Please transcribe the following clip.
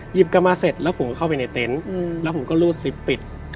กลับมาเสร็จแล้วผมก็เข้าไปในเต็นต์แล้วผมก็รูดซิปปิด